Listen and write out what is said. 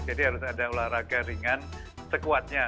jadi harus ada olahraga ringan sekuatnya